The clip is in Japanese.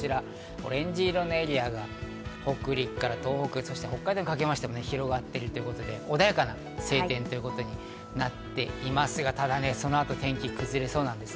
オレンジ色のエリアが北陸から東北、北海道にかけて広がっているということで穏やかな晴天ということになっていますが、ただその後、天気が崩れそうなんです。